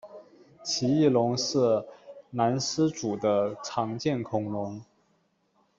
奇异龙是兰斯组的常见恐龙。